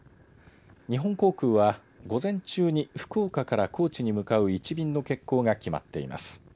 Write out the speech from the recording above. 日本航空は、午前中に福岡から高知に向かう１便の欠航が決まっています。